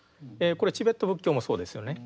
これチベット仏教もそうですよね。